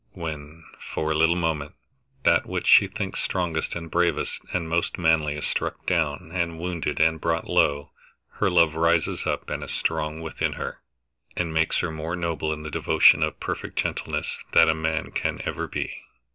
When, for a little moment, that which she thinks strongest and bravest and most manly is struck down and wounded and brought low, her love rises up and is strong within her, and makes her more noble in the devotion of perfect gentleness than a man can ever be.